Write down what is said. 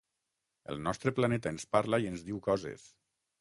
El nostre planeta ens parla i ens diu coses.